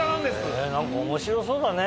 へぇ何か面白そうだね。